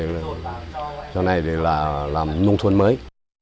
xong rồi là để làm nông thôn mới